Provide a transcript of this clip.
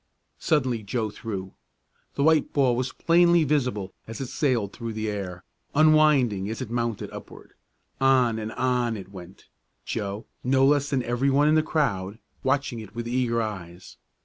Suddenly Joe threw. The white ball was plainly visible as it sailed through the air, unwinding as it mounted upward. On and on it went, Joe, no less than every one in the crowd, watching it with eager eyes.